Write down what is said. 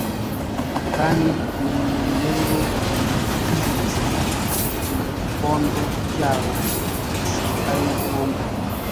kandi n’iminyururu ikiziritse ku bikonjo byabo basirikare bombi